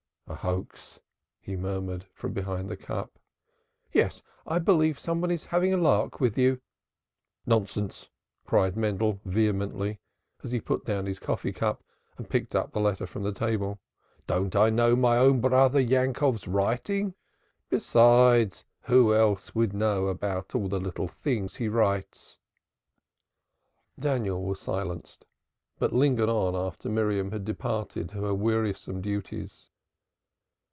"A hoax!" he murmured, from behind the cup. "Yes, I believe some one is having a lark with you." "Nonsense!" cried Mendel vehemently, as he put down his coffee cup and picked up the letter from the table. "Don't I know my own brother Yankov's writing. Besides, who else would know all the little things he writes about?" Daniel was silenced, but lingered on after Miriam had departed to her wearisome duties.